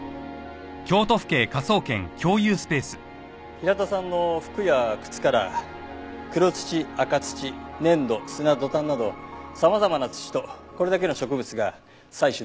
平田さんの服や靴から黒土赤土粘土砂土丹など様々な土とこれだけの植物が採取出来ました。